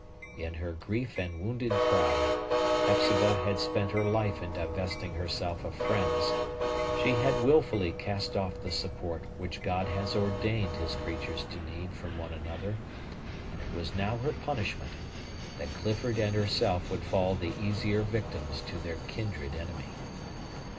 In her grief and wounded pride, Hepzibah had spent her life in divesting herself of friends; she had wilfully cast off the support which God has ordained his creatures to need from one another; and it was now her punishment, that Clifford and herself would fall the easier victims to their kindred enemy.